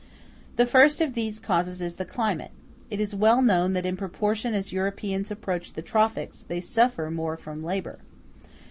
The first of these causes is the climate; it is well known that in proportion as Europeans approach the tropics they suffer more from labor.